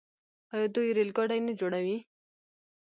آیا دوی ریل ګاډي نه جوړوي؟